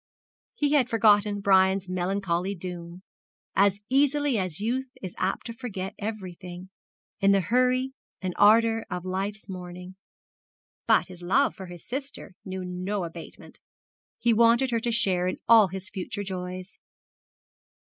He had forgotten Brian's melancholy doom, as easily as youth is apt to forget everything, in the hurry and ardour of life's morning; but his love for his sister knew no abatement. He wanted her to share in all his future joys.